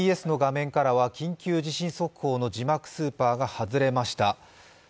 ＴＢＳの画面からは緊急地震速報の字幕スーパーが外れました。